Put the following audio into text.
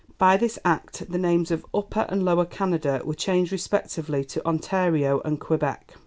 By this Act the names of Upper and Lower Canada were changed respectively to Ontario and Quebec.